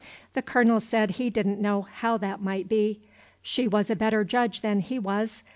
The Colonel said he did n't know how that might be. She was a better judge than he was.